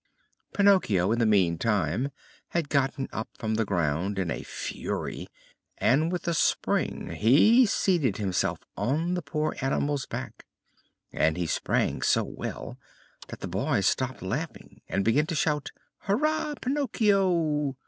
Pinocchio in the meantime had gotten up from the ground in a fury and, with a spring, he seated himself on the poor animal's back. And he sprang so well that the boys stopped laughing and began to shout: "Hurrah, Pinocchio!"